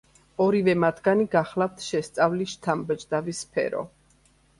ორივე მათგანი გახლავთ შესწავლის შთამბეჭდავი სფერო.